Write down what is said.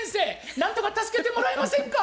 何とか助けてもらえませんか？